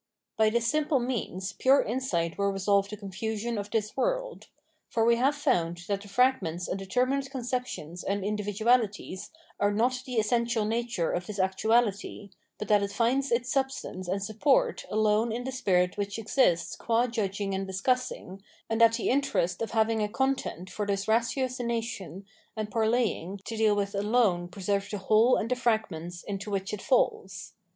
By this simple means pure insight will resolve the confusion of this world. For we have found that the fragments and determinate conceptions and individu alities are not the essential nature of this actuahty, but that it finds its substance and support alone in the spirit which esists qua judging and discussing, and that the interest of having a content for this ratiocmation and parleying to deal with alone preserves the whole j^rtd the fragments into which it falls.